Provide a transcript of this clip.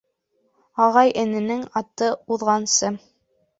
Ағай-эненең аты уҙғансы